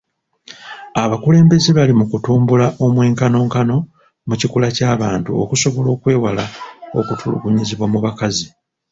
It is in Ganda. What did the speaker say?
Abakulembeze bali mu kutumbula omwenkanonkano mu kikula ky'abantu okusobola okwewala okutulugunyizibwa mu bakazi.